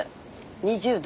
２０度。